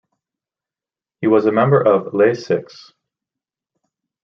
He was a member of Les Six.